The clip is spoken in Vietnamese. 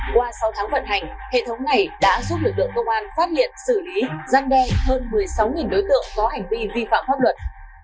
qua sáu tháng vận hành hệ thống này đã giúp lực lượng công an phát hiện xử lý giăn đe hơn một mươi sáu đối tượng có hành vi vi phạm pháp luật